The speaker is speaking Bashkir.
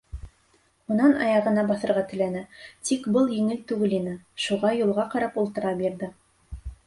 Унан аяғына баҫырға теләне, тик был еңел түгел ине, шуға юлға ҡарап ултыра бирҙе.